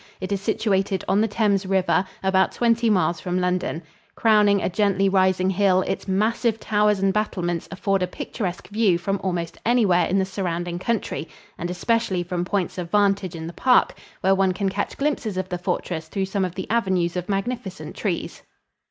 It is situated on the Thames River, about twenty miles from London. Crowning a gently rising hill, its massive towers and battlements afford a picturesque view from almost anywhere in the surrounding country and especially from points of vantage in the park, where one can catch glimpses of the fortress through some of the avenues of magnificent trees.